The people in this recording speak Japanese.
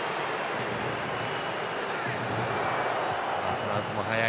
フランスも速い。